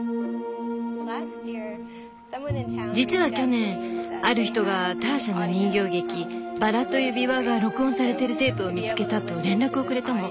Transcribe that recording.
実は去年ある人がターシャの人形劇「バラと指輪」が録音されているテープを見つけたと連絡をくれたの。